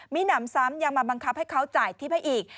มีหนำซ้ำยังมาบังคับให้เขาจ่ายทิพย์ให้อีก